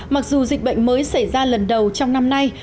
mặc dù dịch bệnh mới xảy ra lần đầu trong năm nay